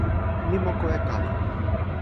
mi moku e kala.